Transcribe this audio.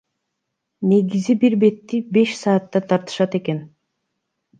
Негизи бир бетти беш саатта тартышат экен.